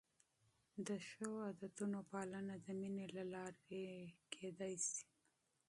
د ښو عادتونو پالنه د مینې له لارې ممکنه ده.